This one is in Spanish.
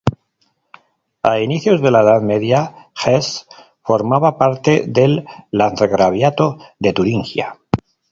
A inicios de la Edad Media, Hesse formaba parte del Landgraviato de Turingia.